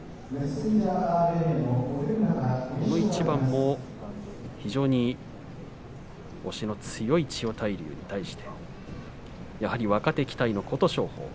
この一番も押しの強い千代大龍に対してやはり若手期待の琴勝峰。